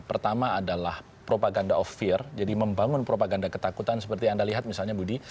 pertama adalah propaganda of fear jadi membangun propaganda ketakutan seperti anda lihat misalnya budi